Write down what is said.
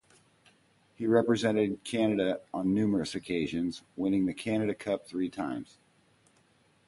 He represented Canada on numerous occasions, winning the Canada Cup three times.